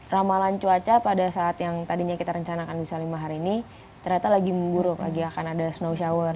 ramalan cuaca pada saat yang tadinya kita rencanakan bisa lima hari ini ternyata lagi memburuk lagi akan ada snow shower